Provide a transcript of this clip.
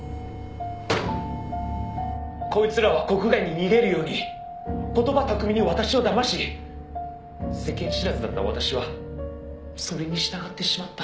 「こいつらは国外に逃げるように言葉巧みに私をだまし世間知らずだった私はそれに従ってしまった」